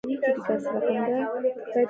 مشران وایي: یو سوال او د کونې کار مه کوه.